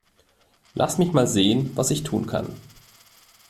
Lass mich mal sehen, was ich tun kann.